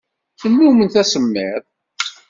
Tennummemt asemmiḍ.